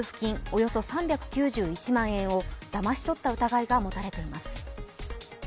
およそ３９１万円をだまし取った疑いが持たれています。